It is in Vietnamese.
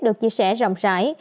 được chia sẻ rộng rãi